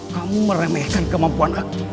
kamu meremehkan kemampuan aku